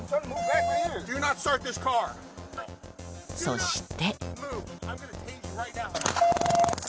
そして。